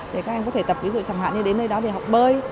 để các em có thể tập ví dụ chẳng hạn như đến nơi đó để học bơi